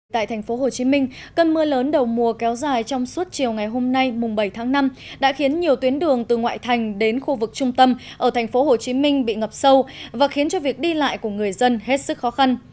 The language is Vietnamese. tại thành phố hồ chí minh cơn mưa lớn đầu mùa kéo dài trong suốt chiều ngày hôm nay bảy tháng năm đã khiến nhiều tuyến đường từ ngoại thành đến khu vực trung tâm ở thành phố hồ chí minh bị ngập sâu và khiến cho việc đi lại của người dân hết sức khó khăn